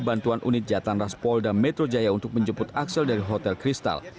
bantuan unit jatan ras pol dan metro jaya untuk menjemput axel dari hotel kristal